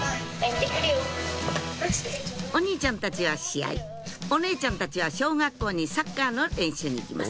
お兄ちゃんたちは試合お姉ちゃんたちは小学校にサッカーの練習に行きます